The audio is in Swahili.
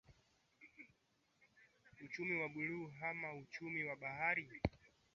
Uchumi wa Buluu ama uchumi wa bahari